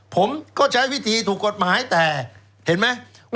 ผมก็ใช้วิธีถูกกฎหมายแต่เห็นไหม